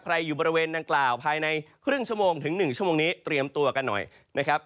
อยู่บริเวณดังกล่าวภายในครึ่งชั่วโมงถึง๑ชั่วโมงนี้เตรียมตัวกันหน่อยนะครับ